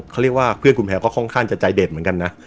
เขาเรียกว่าเพื่อนคุณแพลวก็ค่อนข้างจะใจเด็ดเหมือนกันนะ